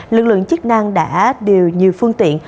lực lượng chức năng đã điều nhiều phương tiện